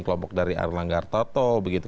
kelompok dari arlang gartoto begitu